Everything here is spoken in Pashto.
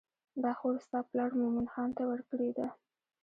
دا خور ستا پلار مومن خان ته ورکړې ده.